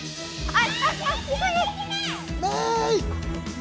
あ！